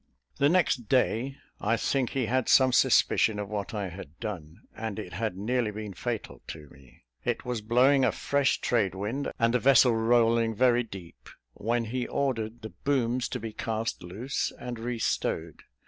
The next day, I think he had some suspicion of what I had done, and it had nearly been fatal to me. It was blowing a fresh trade wind, and the vessel rolling very deep, when he ordered the booms to be cast loose and re stowed.